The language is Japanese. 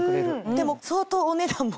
でも相当お値段も。